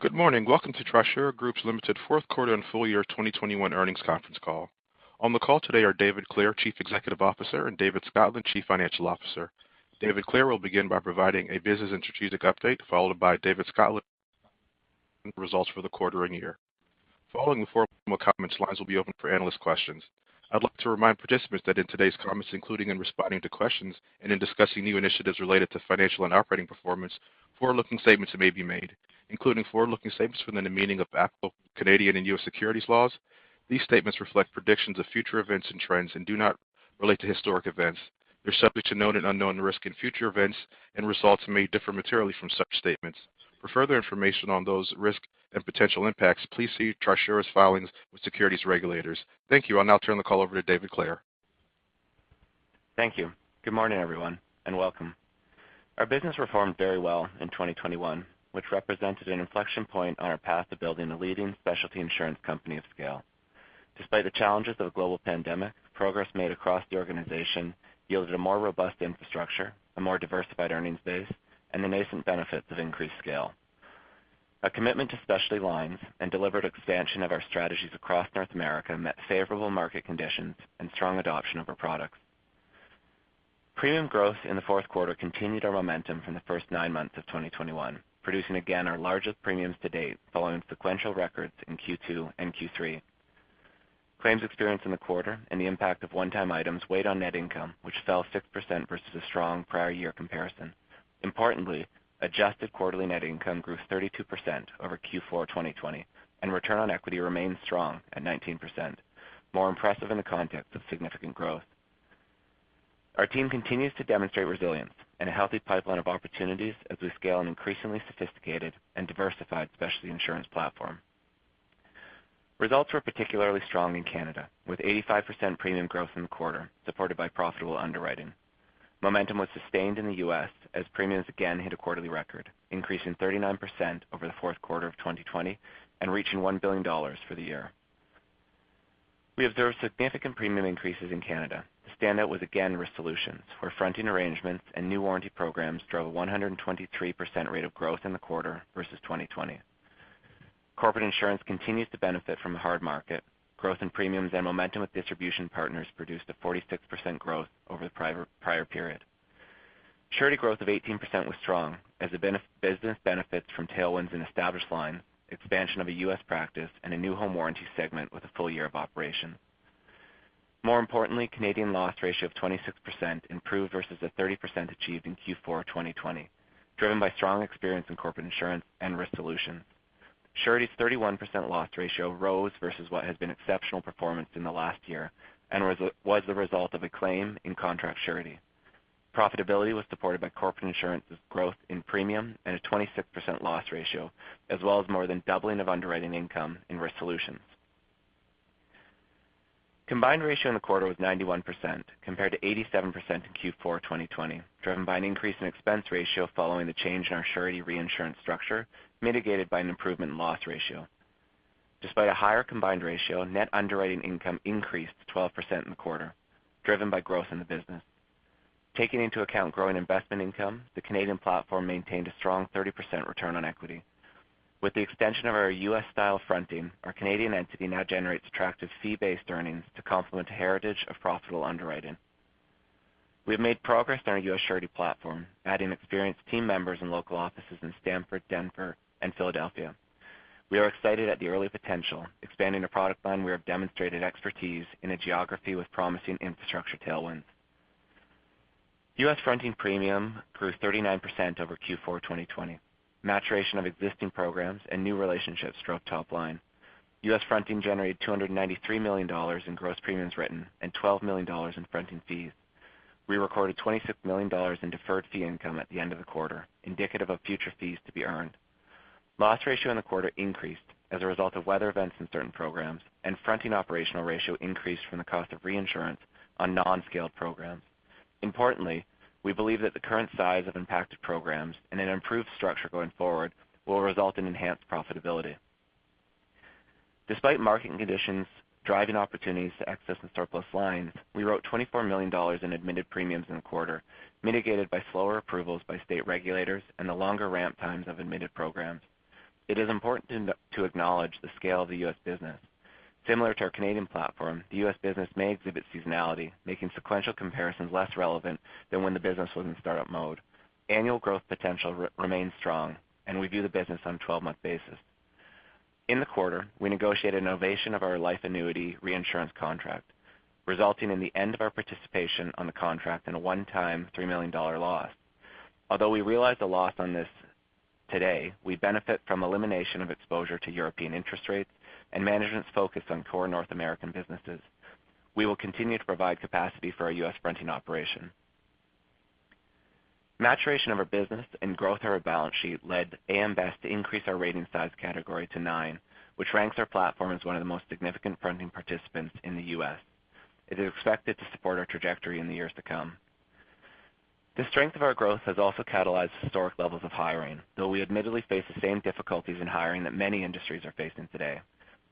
Good morning. Welcome to Trisura Group Ltd. fourth quarter and full year 2021 earnings conference call. On the call today are David Clare, Chief Executive Officer, and David Scotland, Chief Financial Officer. David Clare will begin by providing a business and strategic update, followed by David Scotland results for the quarter and year. Following the formal comments, lines will be open for analyst questions. I'd like to remind participants that in today's comments, including in responding to questions and in discussing new initiatives related to financial and operating performance, forward-looking statements may be made, including forward-looking statements within the meaning of applicable Canadian and U.S. securities laws. These statements reflect predictions of future events and trends and do not relate to historic events. They're subject to known and unknown risk in future events, and results may differ materially from such statements. For further information on those risks and potential impacts, please see Trisura's filings with securities regulators. Thank you. I'll now turn the call over to David Clare. Thank you. Good morning, everyone, and welcome. Our business performed very well in 2021, which represented an inflection point on our path to building a leading specialty insurance company of scale. Despite the challenges of a global pandemic, progress made across the organization yielded a more robust infrastructure, a more diversified earnings base, and the nascent benefits of increased scale. A commitment to specialty lines and delivered expansion of our strategies across North America met favorable market conditions and strong adoption of our products. Premium growth in the fourth quarter continued our momentum from the first 9 months of 2021, producing again our largest premiums to date following sequential records in Q2 and Q3. Claims experience in the quarter and the impact of one-time items weighed on net income, which fell 6% versus a strong prior year comparison. Importantly, adjusted quarterly net income grew 32% over Q4 2020, and return on equity remains strong at 19%, more impressive in the context of significant growth. Our team continues to demonstrate resilience and a healthy pipeline of opportunities as we scale an increasingly sophisticated and diversified specialty insurance platform. Results were particularly strong in Canada, with 85% premium growth in the quarter, supported by profitable underwriting. Momentum was sustained in the U.S. as premiums again hit a quarterly record, increasing 39% over the fourth quarter of 2020 and reaching $1 billion for the year. We observed significant premium increases in Canada. The standout was again Risk Solutions where fronting arrangements and new warranty programs drove a 123% rate of growth in the quarter versus 2020. Corporate Insurance continues to benefit from the hard market. Growth in premiums and momentum with distribution partners produced a 46% growth over the prior period. Surety growth of 18% was strong as the business benefits from tailwinds in established line, expansion of a U.S. practice, and a new home warranty segment with a full year of operation. More importantly, Canadian loss ratio of 26% improved versus the 30% achieved in Q4 2020, driven by strong experience in Corporate Insurance and risk solutions. Surety's 31% loss ratio rose versus what has been exceptional performance in the last year and was the result of a claim in contract surety. Profitability was supported by Corporate Insurance's growth in premium and a 26% loss ratio, as well as more than doubling of underwriting income in risk solutions. Combined ratio in the quarter was 91% compared to 87% in Q4 2020, driven by an increase in expense ratio following the change in our surety reinsurance structure, mitigated by an improvement in loss ratio. Despite a higher combined ratio, net underwriting income increased 12% in the quarter, driven by growth in the business. Taking into account growing investment income, the Canadian platform maintained a strong 30% return on equity. With the extension of our U.S.-style fronting, our Canadian entity now generates attractive fee-based earnings to complement a heritage of profitable underwriting. We have made progress on our U.S. surety platform, adding experienced team members and local offices in Stamford, Denver, and Philadelphia. We are excited at the early potential, expanding a product line where we have demonstrated expertise in a geography with promising infrastructure tailwinds. US Fronting premium grew 39% over Q4 2020. Maturation of existing programs and new relationships drove top line. US Fronting generated $293 million in gross premiums written and $12 million in fronting fees. We recorded $26 million in deferred fee income at the end of the quarter, indicative of future fees to be earned. Loss ratio in the quarter increased as a result of weather events in certain programs, and fronting operational ratio increased from the cost of reinsurance on non-scaled programs. Importantly, we believe that the current size of impacted programs and an improved structure going forward will result in enhanced profitability. Despite market conditions driving opportunities to excess and surplus lines, we wrote $24 million in admitted premiums in the quarter, mitigated by slower approvals by state regulators and the longer ramp times of admitted programs. It is important to acknowledge the scale of the U.S. business. Similar to our Canadian platform, the U.S. business may exhibit seasonality, making sequential comparisons less relevant than when the business was in startup mode. Annual growth potential remains strong, and we view the business on a 12-month basis. In the quarter, we negotiated a novation of our life annuity reinsurance contract, resulting in the end of our participation on the contract and a one-time $3 million loss. Although we realized a loss on this today, we benefit from elimination of exposure to European interest rates and management's focus on core North American businesses. We will continue to provide capacity for our U.S. fronting operation. Maturation of our business and growth of our balance sheet led AM Best to increase our rating size category to nine, which ranks our platform as one of the most significant fronting participants in the U.S. It is expected to support our trajectory in the years to come. The strength of our growth has also catalyzed historic levels of hiring, though we admittedly face the same difficulties in hiring that many industries are facing today.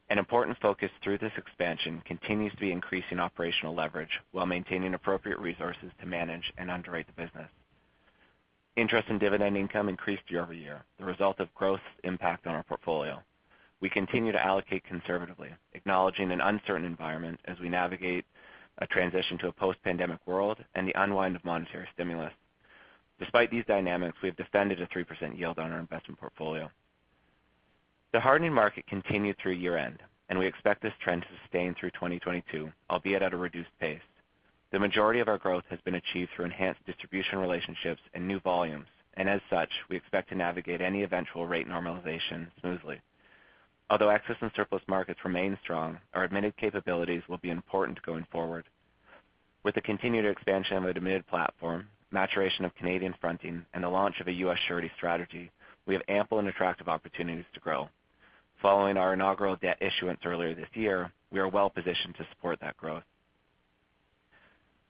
An important focus through this expansion continues to be increasing operational leverage while maintaining appropriate resources to manage and underwrite the business. Interest in dividend income increased year-over-year, the result of growth's impact on our portfolio. We continue to allocate conservatively, acknowledging an uncertain environment as we navigate a transition to a post-pandemic world and the unwind of monetary stimulus. Despite these dynamics, we have defended a 3% yield on our investment portfolio. The hardening market continued through year-end, and we expect this trend to sustain through 2022, albeit at a reduced pace. The majority of our growth has been achieved through enhanced distribution relationships and new volumes, and as such, we expect to navigate any eventual rate normalization smoothly. Although excess and surplus markets remain strong, our admitted capabilities will be important going forward. With the continued expansion of the admitted platform, maturation of Canadian fronting, and the launch of a U.S. surety strategy, we have ample and attractive opportunities to grow. Following our inaugural debt issuance earlier this year, we are well-positioned to support that growth.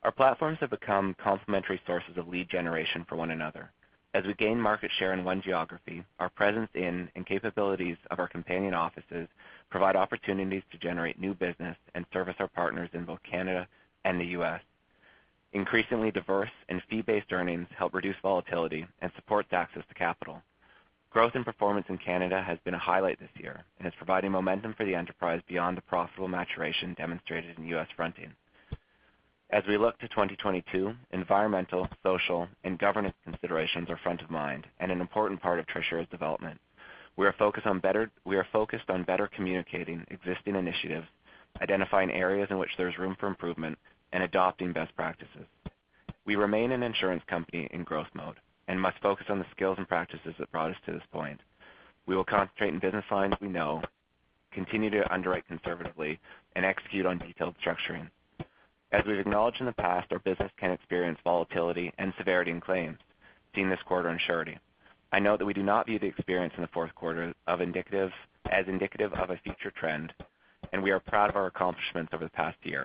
Our platforms have become complementary sources of lead generation for one another. As we gain market share in one geography, our presence in and capabilities of our companion offices provide opportunities to generate new business and service our partners in both Canada and the U.S. Increasingly diverse and fee-based earnings help reduce volatility and support the access to capital. Growth and performance in Canada has been a highlight this year and is providing momentum for the enterprise beyond the profitable maturation demonstrated in U.S. fronting. As we look to 2022, environmental, social, and governance considerations are front of mind and an important part of Trisura's development. We are focused on better communicating existing initiatives, identifying areas in which there's room for improvement, and adopting best practices. We remain an insurance company in growth mode and must focus on the skills and practices that brought us to this point. We will concentrate in business lines we know, continue to underwrite conservatively, and execute on detailed structuring. As we've acknowledged in the past, our business can experience volatility and severity in claims, seen this quarter in Surety. I know that we do not view the experience in the fourth quarter as indicative of a future trend, and we are proud of our accomplishments over the past year.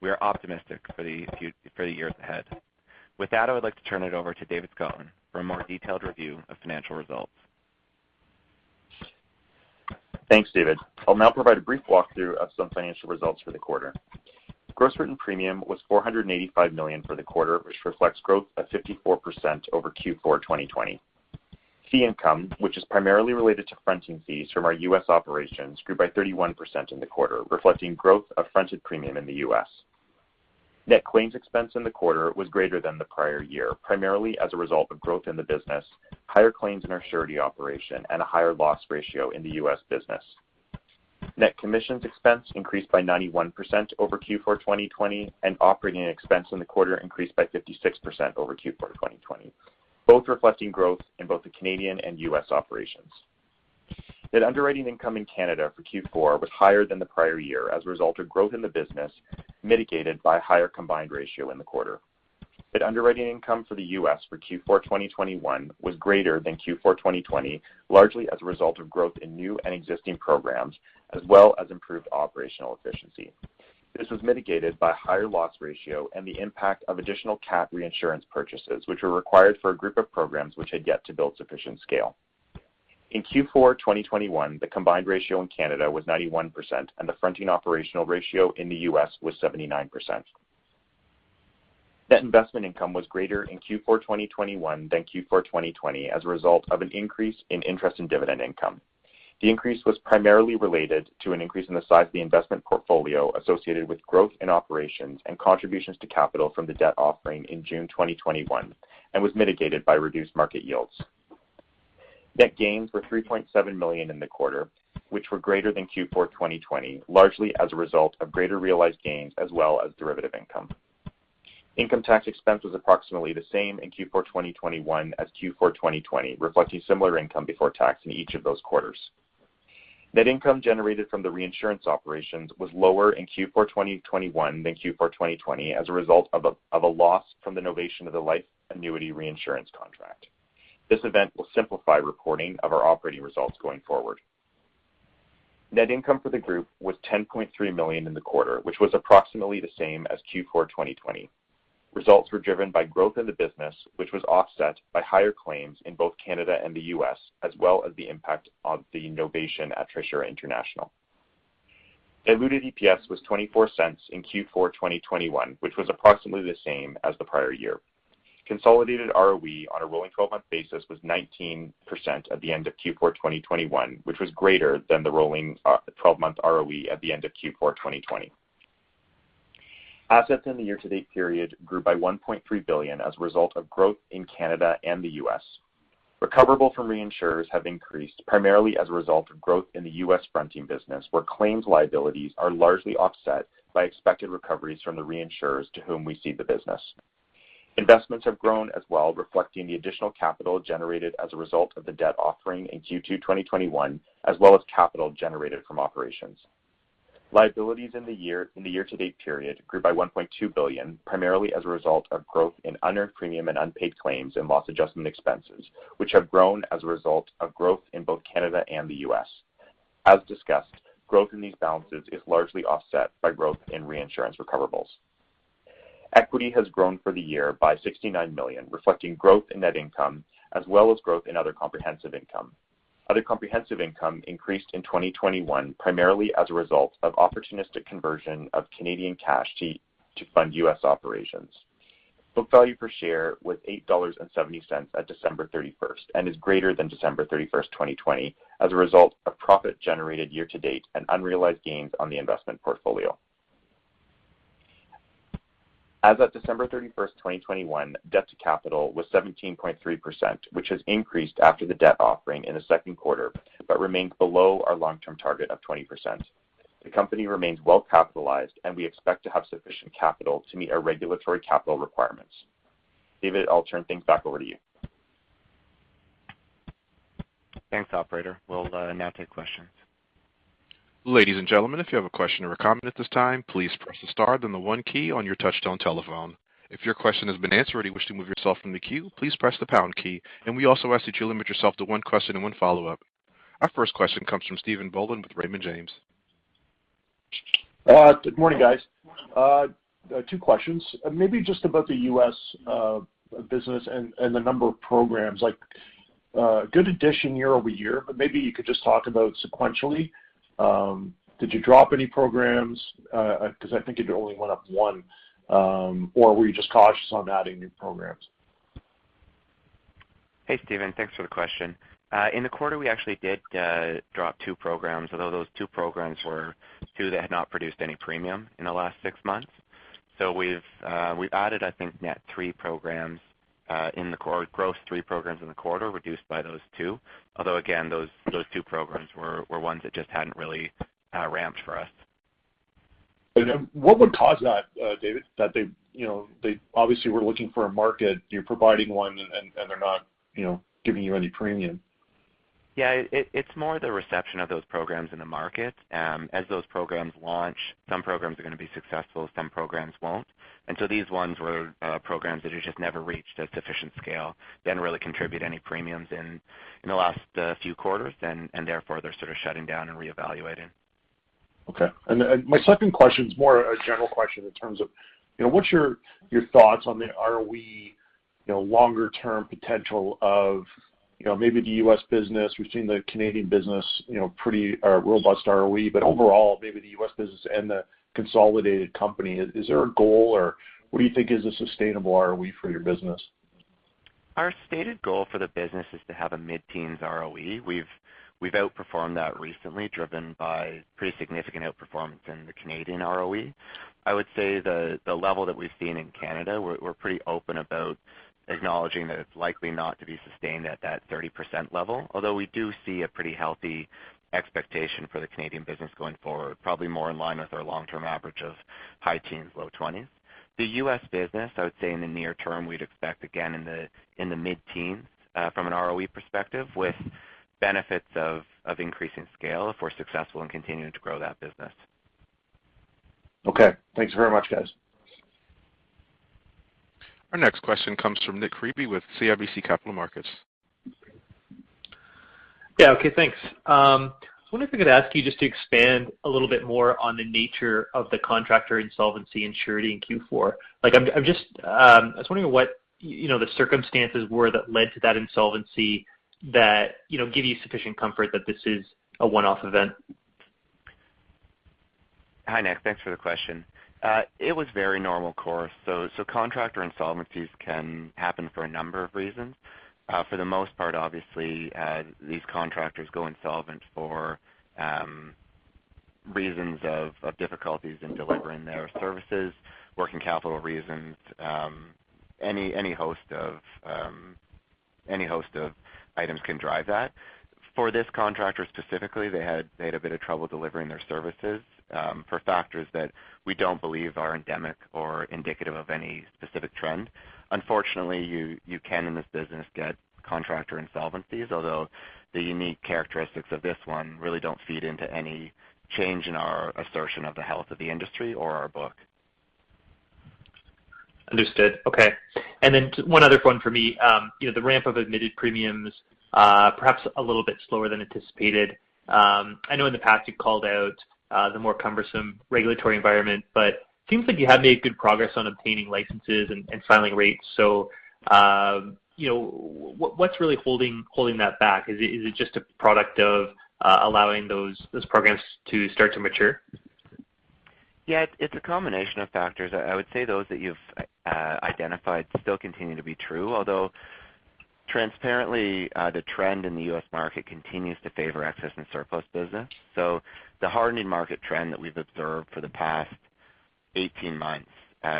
We are optimistic for the years ahead. With that, I would like to turn it over to David Scotland for a more detailed review of financial results. Thanks, David. I'll now provide a brief walkthrough of some financial results for the quarter. Gross premiums written was 485 million for the quarter, which reflects growth of 54% over Q4 2020. Fee income, which is primarily related to fronting fees from our U.S. operations, grew by 31% in the quarter, reflecting growth of fronted premium in the U.S. Net claims expense in the quarter was greater than the prior year, primarily as a result of growth in the business, higher claims in our surety operation, and a higher loss ratio in the U.S. business. Net commissions expense increased by 91% over Q4 2020, and operating expense in the quarter increased by 56% over Q4 2020, both reflecting growth in both the Canadian and U.S. operations. Net underwriting income in Canada for Q4 was higher than the prior year as a result of growth in the business, mitigated by a higher combined ratio in the quarter. Net underwriting income for the U.S. for Q4 2021 was greater than Q4 2020, largely as a result of growth in new and existing programs, as well as improved operational efficiency. This was mitigated by a higher loss ratio and the impact of additional cat reinsurance purchases, which were required for a group of programs which had yet to build sufficient scale. In Q4 2021, the combined ratio in Canada was 91%, and the fronting operational ratio in the U.S. was 79%. Net investment income was greater in Q4 2021 than Q4 2020 as a result of an increase in interest and dividend income. The increase was primarily related to an increase in the size of the investment portfolio associated with growth in operations and contributions to capital from the debt offering in June 2021 and was mitigated by reduced market yields. Net gains were 3.7 million in the quarter, which were greater than Q4 2020, largely as a result of greater realized gains as well as derivative income. Income tax expense was approximately the same in Q4 2021 as Q4 2020, reflecting similar income before tax in each of those quarters. Net income generated from the reinsurance operations was lower in Q4 2021 than Q4 2020 as a result of a loss from the novation of the life annuity reinsurance contract. This event will simplify reporting of our operating results going forward. Net income for the group was 10.3 million in the quarter, which was approximately the same as Q4 2020. Results were driven by growth in the business, which was offset by higher claims in both Canada and the U.S., as well as the impact of the novation at Trisura International. Diluted EPS was 0.24 in Q4 2021, which was approximately the same as the prior year. Consolidated ROE on a rolling twelve-month basis was 19% at the end of Q4 2021, which was greater than the rolling twelve-month ROE at the end of Q4 2020. Assets in the year-to-date period grew by 1.3 billion as a result of growth in Canada and the U.S. Recoverable from reinsurers have increased primarily as a result of growth in the U.S. fronting business, where claims liabilities are largely offset by expected recoveries from the reinsurers to whom we cede the business. Investments have grown as well, reflecting the additional capital generated as a result of the debt offering in Q2 2021, as well as capital generated from operations. Liabilities in the year, in the year-to-date period grew by 1.2 billion, primarily as a result of growth in unearned premium and unpaid claims and loss adjustment expenses, which have grown as a result of growth in both Canada and the U.S. As discussed, growth in these balances is largely offset by growth in reinsurance recoverables. Equity has grown for the year by 69 million, reflecting growth in net income as well as growth in other comprehensive income. Other comprehensive income increased in 2021, primarily as a result of opportunistic conversion of Canadian cash to fund U.S. operations. Book value per share was 8.70 dollars at December 31, and is greater than December 31, 2020 as a result of profit generated year to date and unrealized gains on the investment portfolio. As of December 31, 2021, debt to capital was 17.3%, which has increased after the debt offering in the second quarter, but remains below our long-term target of 20%. The company remains well capitalized, and we expect to have sufficient capital to meet our regulatory capital requirements. David, I'll turn things back over to you. Thanks, operator. We'll now take questions. Ladies and gentlemen, if you have a question or a comment at this time, please press the star then the 1 key on your touchtone telephone. If your question has been answered or you wish to move yourself from the queue, please press the pound key. We also ask that you limit yourself to one question and one follow-up. Our first question comes from Stephen Boland with Raymond James. Good morning, guys. Two questions. Maybe just about the U.S. business and the number of programs. Like, good addition year over year, but maybe you could just talk about sequentially. Did you drop any programs? Because I think it only went up one. Or were you just cautious on adding new programs? Hey, Stephen, thanks for the question. In the quarter, we actually did drop two programs, although those two programs were two that had not produced any premium in the last six months. We've added, I think, net three programs in the quarter, gross three programs in the quarter reduced by those two. Although, again, those two programs were ones that just hadn't really ramped for us. What would cause that, David? That they, you know, they obviously were looking for a market, you're providing one and they're not, you know, giving you any premium. Yeah, it's more the reception of those programs in the market. As those programs launch, some programs are going to be successful, some programs won't. These ones were programs that had just never reached a sufficient scale, didn't really contribute any premiums in the last few quarters, and therefore, they're sort of shutting down and reevaluating. Okay. My second question is more a general question in terms of, you know, what's your thoughts on the ROE, you know, longer term potential of, you know, maybe the U.S. business. We've seen the Canadian business, you know, pretty robust ROE. Overall, maybe the U.S. business and the consolidated company, is there a goal or what do you think is a sustainable ROE for your business? Our stated goal for the business is to have a mid-teens ROE. We've outperformed that recently, driven by pretty significant outperformance in the Canadian ROE. I would say the level that we've seen in Canada, we're pretty open about acknowledging that it's likely not to be sustained at that 30% level. Although we do see a pretty healthy expectation for the Canadian business going forward, probably more in line with our long-term average of high teens, low twenties. The U.S. business, I would say in the near term, we'd expect again in the mid-teens from an ROE perspective, with benefits of increasing scale if we're successful in continuing to grow that business. Okay. Thanks very much, guys. Our next question comes from Nik Priebe with CIBC Capital Markets. Yeah. Okay, thanks. I was wondering if I could ask you just to expand a little bit more on the nature of the contractor insolvency and Surety in Q4. Like, I'm just I was wondering what, you know, the circumstances were that led to that insolvency that, you know, give you sufficient comfort that this is a one-off event. Hi, Nik. Thanks for the question. It was very normal course. Contractor insolvencies can happen for a number of reasons. For the most part, obviously, these contractors go insolvent for reasons of difficulties in delivering their services, working capital reasons, any host of items can drive that. For this contractor specifically, they had a bit of trouble delivering their services for factors that we don't believe are endemic or indicative of any specific trend. Unfortunately, you can in this business get contractor insolvencies, although the unique characteristics of this one really don't feed into any change in our assertion of the health of the industry or our book. Understood. Okay. One other one for me. You know, the ramp of admitted premiums perhaps a little bit slower than anticipated. I know in the past you've called out the more cumbersome regulatory environment, but seems like you have made good progress on obtaining licenses and filing rates. You know, what's really holding that back? Is it just a product of allowing those programs to start to mature? Yeah. It's a combination of factors. I would say those that you've identified still continue to be true, although transparently, the trend in the U.S. market continues to favor excess and surplus business. The hardening market trend that we've observed for the past 18 months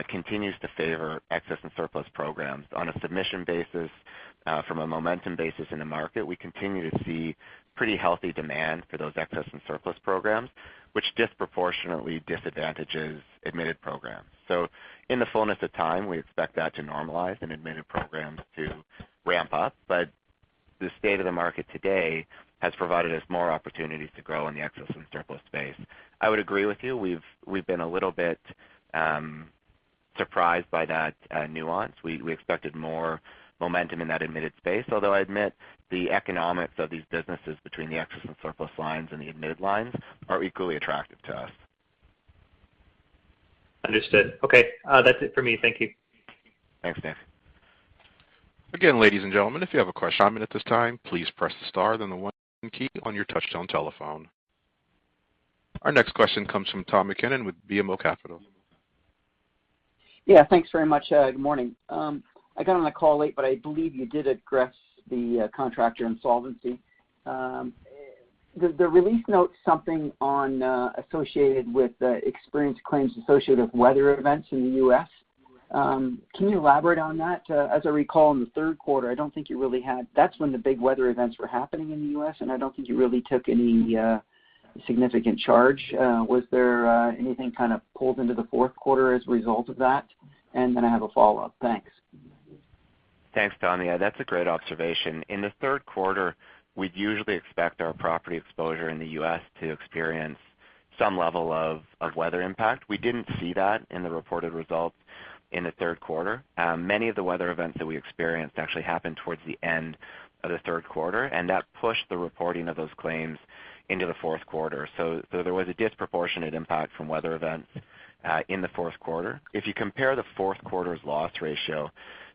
continues to favor excess and surplus programs. On a submission basis, from a momentum basis in the market, we continue to see pretty healthy demand for those excess and surplus programs, which disproportionately disadvantages admitted programs. In the fullness of time, we expect that to normalize and admitted programs to ramp up. The state of the market today has provided us more opportunities to grow in the excess and surplus space. I would agree with you. We've been a little bit surprised by that nuance. We expected more momentum in that admitted space, although I admit the economics of these businesses between the excess and surplus lines and the admitted lines are equally attractive to us. Understood. Okay, that's it for me. Thank you. Okay. Again, ladies and gentlemen, if you have a question or comment at this time, please press the star, then the one key on your touchtone telephone. Our next question comes from Tom MacKinnon with BMO Capital. Yeah, thanks very much. Good morning. I got on the call late, but I believe you did address the contractor insolvency. The release notes something on associated with the experienced claims associated with weather events in the U.S. Can you elaborate on that? As I recall, in the third quarter, that's when the big weather events were happening in the U.S., and I don't think you really took any significant charge. Was there anything kind of pulled into the fourth quarter as a result of that? I have a follow-up. Thanks. Thanks, Tom. Yeah, that's a great observation. In the third quarter, we'd usually expect our property exposure in the U.S. to experience some level of weather impact. We didn't see that in the reported results in the third quarter. Many of the weather events that we experienced actually happened towards the end of the third quarter, and that pushed the reporting of those claims into the fourth quarter. So there was a disproportionate impact from weather events in the fourth quarter. If you compare the fourth quarter's loss ratio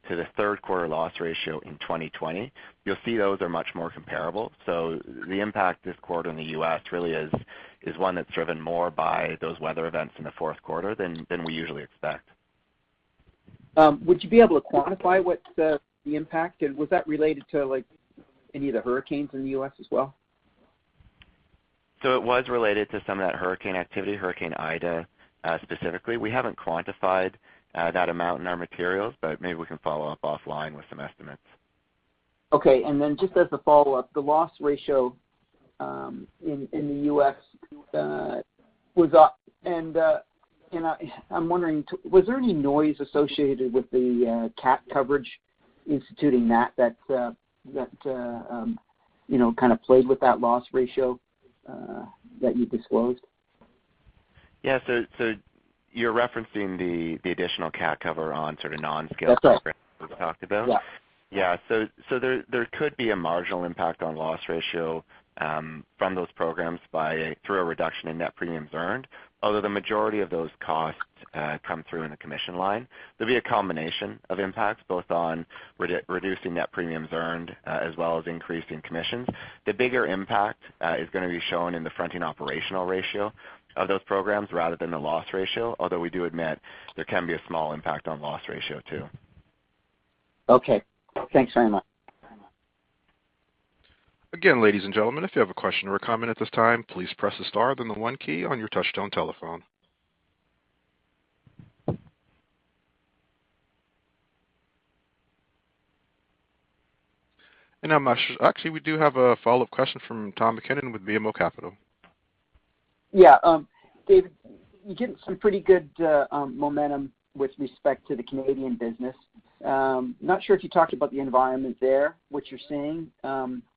to the third quarter loss ratio in 2020, you'll see those are much more comparable. So the impact this quarter in the U.S. really is one that's driven more by those weather events in the fourth quarter than we usually expect. Would you be able to quantify what the impact, and was that related to, like, any of the hurricanes in the U.S. as well? It was related to some of that hurricane activity, Hurricane Ida, specifically. We haven't quantified that amount in our materials, but maybe we can follow up offline with some estimates. Okay. Just as a follow-up, the loss ratio in the U.S. was up, and I'm wondering, was there any noise associated with the CAT coverage instituting that you know kind of played with that loss ratio that you disclosed? Yeah. You're referencing the additional CAT cover on sort of non-scale- That's right. programs we've talked about? Yeah. There could be a marginal impact on loss ratio from those programs through a reduction in net premiums earned. Although the majority of those costs come through in the commission line. There'll be a combination of impacts both on reducing net premiums earned as well as increasing commissions. The bigger impact is gonna be shown in the fronting operational ratio of those programs rather than the loss ratio, although we do admit there can be a small impact on loss ratio too. Okay. Thanks very much. Again ladies and gentlemen, if you have a question or comment please press star then 1 on your touchtone telephone. Actually, we do have a follow-up question from Tom MacKinnon with BMO Capital. Yeah. David, you gave some pretty good momentum with respect to the Canadian business. Not sure if you talked about the environment there, what you're seeing.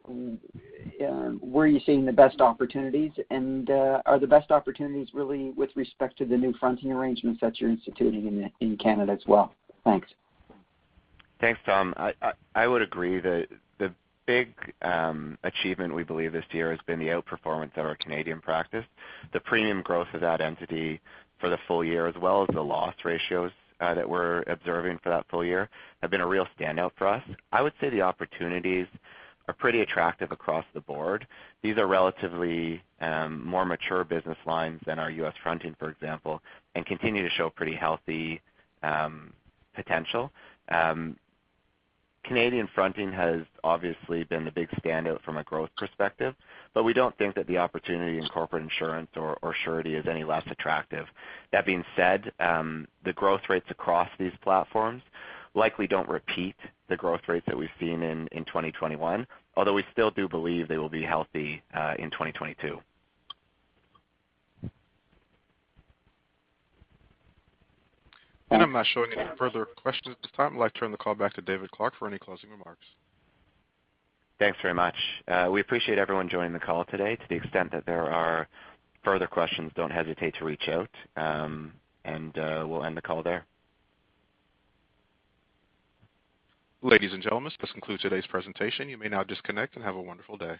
Where are you seeing the best opportunities, and are the best opportunities really with respect to the new fronting arrangements that you're instituting in Canada as well? Thanks. Thanks, Tom. I would agree that the big achievement we believe this year has been the outperformance of our Canadian practice. The premium growth of that entity for the full year as well as the loss ratios that we're observing for that full year have been a real standout for us. I would say the opportunities are pretty attractive across the board. These are relatively more mature business lines than our U.S. Fronting, for example, and continue to show pretty healthy potential. Canadian Fronting has obviously been the big standout from a growth perspective, but we don't think that the opportunity in Corporate Insurance or Surety is any less attractive. That being said, the growth rates across these platforms likely don't repeat the growth rates that we've seen in 2021, although we still do believe they will be healthy in 2022. I'm not showing any further questions at this time. I'd like to turn the call back to David Clare for any closing remarks. Thanks very much. We appreciate everyone joining the call today. To the extent that there are further questions, don't hesitate to reach out, and we'll end the call there. Ladies and gentlemen, this concludes today's presentation. You may now disconnect and have a wonderful day.